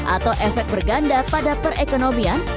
atau efek berganda pada perekonomian